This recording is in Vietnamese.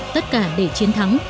tất cả để chiến thắng